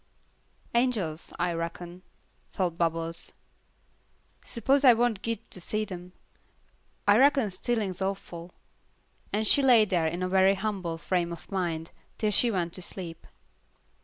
"Angels, I reckon," thought Bubbles. "S'pose I won't git to see 'em. I reckon stealin's awful," and she lay there in a very humble frame of mind, till she went to sleep.